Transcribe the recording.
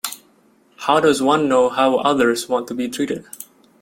How does one know how others want to be treated?